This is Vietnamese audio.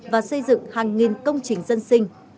và xây dựng hàng nghìn công trình dân sinh